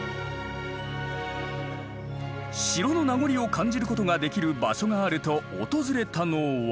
城の名残を感じることができる場所があると訪れたのは。